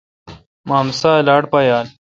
مامسا لاٹ پایال۔